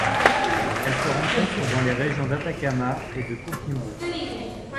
Elle se rencontre dans les régions d'Atacama et de Coquimbo.